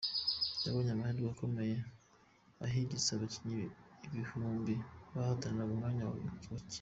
Yabonye amahirwe akomeye ahigitse abakinnyi ibihumbi bahataniraga umwanya yakinnye.